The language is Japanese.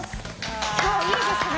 今日いいですね。